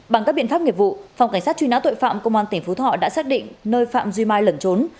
bằng các biện pháp nghiệp vụ phòng cảnh sát truy nã tội phạm công an tỉnh phú thọ đã xác định nơi phạm duy mai lẩn trốn